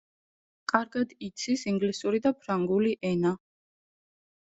კარგად იცის ინგლისური და ფრანგული ენა.